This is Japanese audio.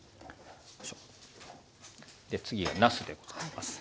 で次はなすでございます。